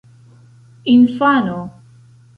infano